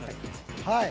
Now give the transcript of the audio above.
はい。